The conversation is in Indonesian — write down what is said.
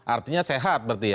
artinya sehat berarti ya